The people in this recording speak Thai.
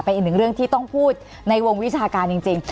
เป็นอีกหนึ่งเรื่องที่ต้องพูดในวงวิชาการจริง